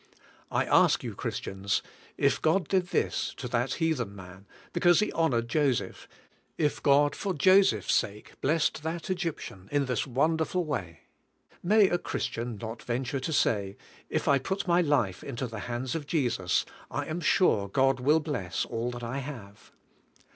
I ask you Christians, If God did this to that heathen man, because he honored Joseph; if God, for 108 THE COMPLETE SURRENDER Joseph's sake, blessed that Egyptian in this wonderfal way, may a Christian not venture to say: "If I put my life into the hands of Jesus, I am sure God will bless all that I have?"